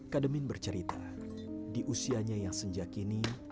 kademin bercerita di usianya yang sejak ini